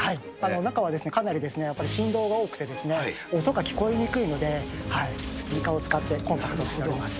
中はかなり振動が大きくて、音が聞こえにくいので、スピーカーを使ってコンタクトをしております。